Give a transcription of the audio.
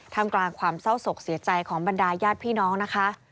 ทำกลางความเศร้าศกเสียใจของบรรดาญาติพี่น้องนะคะ